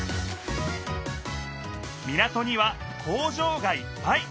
港には工場がいっぱい！